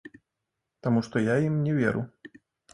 Таму што я ім не веру.